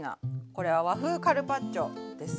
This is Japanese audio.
これは和風カルパッチョです。